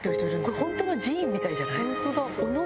ホントの寺院みたいじゃない？